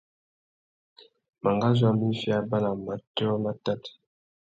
Mangazu a mú iffê abà na matiō matát.